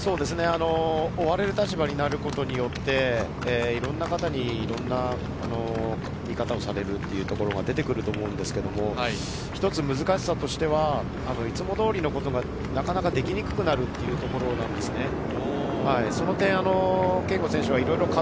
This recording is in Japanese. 追われる立場になることによって、いろんな方にいろんな見方をされるというところが出てくると思うんですけど、一つ難しさとしてはいつも通りのことがなかなかできにくくなるというところなんですね。